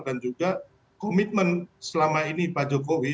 dan juga komitmen selama ini pak jokowi